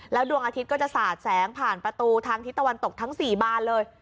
ดวงอาทิตย์ก็จะสาดแสงผ่านประตูทางทิศตะวันตกทั้ง๔บานเลย